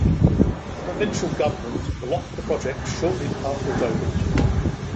The provincial government blocked the project shortly after it opened.